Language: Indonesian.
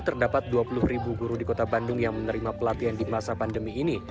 terdapat dua puluh ribu guru di kota bandung yang menerima pelatihan di masa pandemi ini